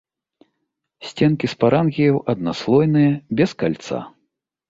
Сценкі спарангіяў аднаслойныя, без кальца.